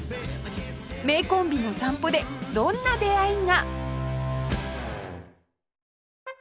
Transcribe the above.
名コンビのお散歩でどんな出会いが？